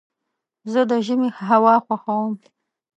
زه د ژمي هوا خوښوم.